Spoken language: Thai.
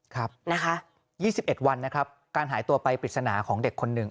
ครับนะคะ๒๑วันนะครับการหายตัวไปปริศนาของเด็กคนหนึ่ง